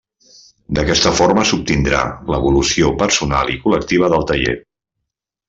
D'aquesta forma s'obtindrà l'evolució personal i col·lectiva del taller.